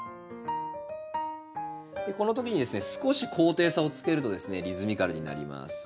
このときにですね少し高低差をつけるとリズミカルになります。